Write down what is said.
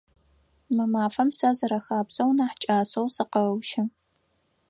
Мы мафэм сэ, зэрэхабзэу, нахь кӏасэу сыкъэущы.